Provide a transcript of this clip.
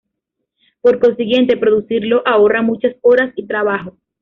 Por consiguiente, producirlo ahorra muchas horas y trabajo.